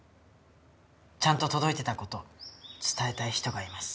ちゃんと届いてた事伝えたい人がいます。